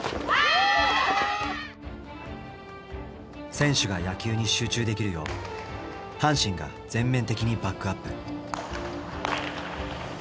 選手が野球に集中できるよう阪神が全面的にバックアップ。